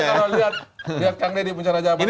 kalau lihat kang dede puncana jawabannya